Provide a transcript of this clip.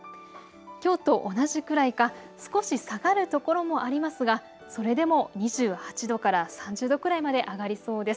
きょうと同じくらいか少し下がるところもありますが、それでも２８度から３０度くらいまで上がりそうです。